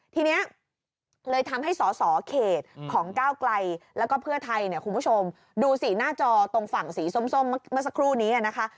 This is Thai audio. ทีนี้เลยทำให้สอสอเขตของก้าวไกลแล้วก็เพื่อไทยเนี่ยคุณผู้ชมดูสิหน้าจอตรงฝั่งสีส้มเมื่อสักครู่นี้นะคะ